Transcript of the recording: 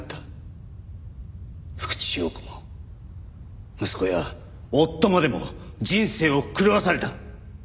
福地陽子も息子や夫までも人生を狂わされた。